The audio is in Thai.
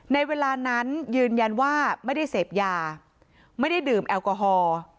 ในเวลานั้นยืนยันว่าไม่ได้เสพยาไม่ได้ดื่มแอลกอฮอล์